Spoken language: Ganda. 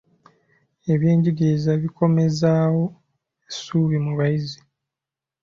Ebyenjigiriza bikomezzaawo essuubi mu bayizi.